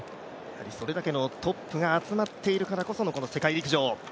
それだけのトップが集まってるからこその世界陸上。